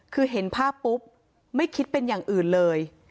คือเห็นภาพปุ๊บไม่คิดเป็นอย่างอื่นเลย